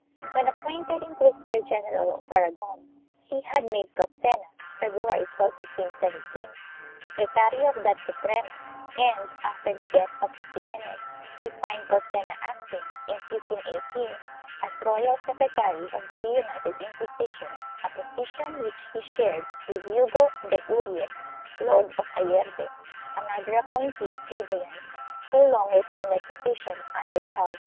When appointed Inquisitor general of Aragon, he had made Calcena, February 12, 1517, secretary of that Suprema and, after the death of Ximenes we find Calcena acting, in 1518, as royal secretary of the reunited Inquisition, a position which he shared with Ugo de Urries, Lord of Ayerbe, another appointee of Adrian's, who long retained that position under Charles V.